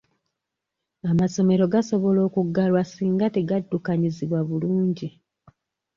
Amasomero gasobola okuggalwa singa tegaddukanyizibwa bulungi.